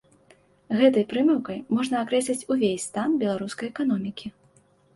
Гэтай прымаўкай можна акрэсліць увесь стан беларускай эканомікі.